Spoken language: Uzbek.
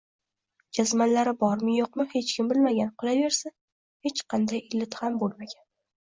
Jazmanlari bormi-yo`qmi, hech kim bilmagan, qolaversa, hech qanday illati ham bo`lmagan